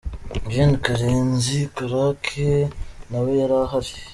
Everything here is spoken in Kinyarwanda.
Gen Karenzi Karake nawe yari ahari.